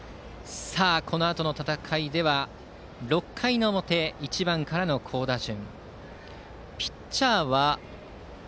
このあとの戦いでは６回の表、１番からの好打順。